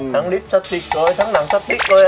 ถ้างลิปสัตเฟกส์เลยท้างหลังสัตเฟกส์เลย